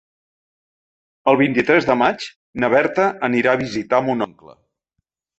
El vint-i-tres de maig na Berta anirà a visitar mon oncle.